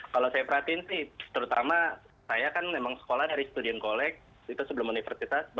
kalau saya perhatiin sih terutama saya kan memang sekolah dari studion kolek itu sebelum universitas